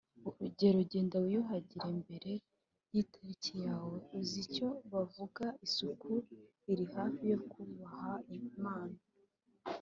urugero “genda wiyuhagire mbere yitariki yawe. uzi icyo bavuga; isuku iri hafi yo kubaha imana. ”